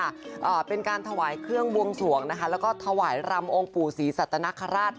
อ่าเป็นการถวายเครื่องบวงสวงนะคะแล้วก็ถวายรำองค์ปู่ศรีสัตนคราช